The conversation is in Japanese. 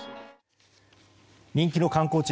人気の観光地